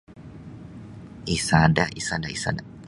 Isada isada isada.